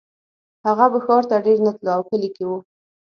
هغه به ښار ته ډېر نه تلو او کلي کې و